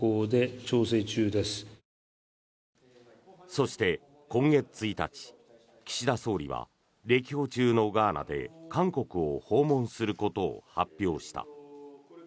そして今月１日、岸田総理は歴訪中のガーナで韓国を訪問することを発表した。